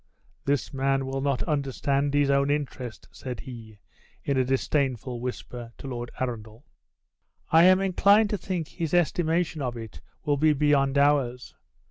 "This man will not understand his own interest," said he, in a disdainful whisper, to Lord Arundel. "I am inclined to think his estimation of it will be beyond ours."